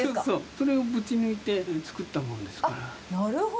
それをぶち抜いて作ったもんですから。